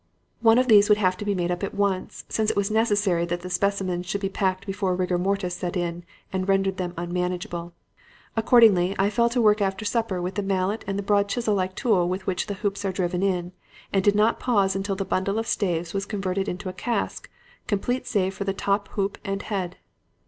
One of these would have to be made up at once, since it was necessary that the specimens should be packed before rigor mortis set in and rendered them unmanageable. Accordingly, I fell to work after supper with the mallet and the broad chisel like tool with which the hoops are driven on, and did not pause until the bundle of staves was converted into a cask, complete save for the top hoop and head.